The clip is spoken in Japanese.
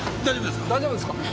大丈夫ですか？